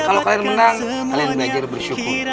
kalau kalian menang kalian belajar bersyukur